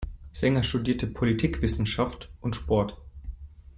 Sänger studierte Politikwissenschaft und Sport.